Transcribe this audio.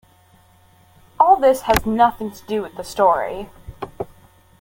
All this has nothing to do with the story.